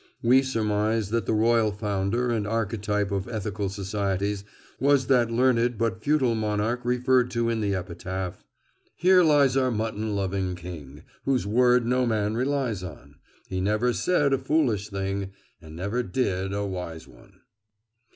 We surmise that the royal founder and archetype of ethical societies was that learned but futile monarch referred to in the epitaph: Here lies our mutton loving king, Whose word no man relies on: He never said a foolish thing, And never did a wise one.